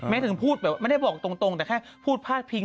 ถึงพูดแบบไม่ได้บอกตรงแต่แค่พูดพาดพิง